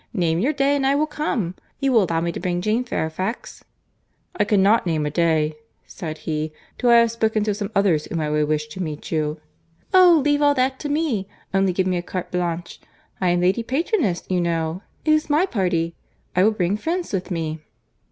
Name your day, and I will come. You will allow me to bring Jane Fairfax?" "I cannot name a day," said he, "till I have spoken to some others whom I would wish to meet you." "Oh! leave all that to me. Only give me a carte blanche.—I am Lady Patroness, you know. It is my party. I will bring friends with me."